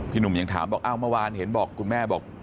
หนุ่มยังถามบอกอ้าวเมื่อวานเห็นบอกคุณแม่บอก